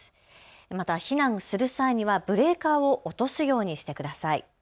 また避難する際にはブレーカーを落とすようにしてください。